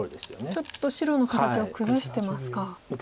ちょっと白の形を崩してますか。